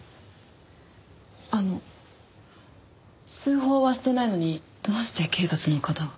あの通報はしていないのにどうして警察の方が？